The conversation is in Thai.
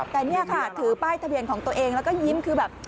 แต่นี่ค่ะถือป้ายทะเบียนของตัวเองแล้วก็ยิ้มคือแบบ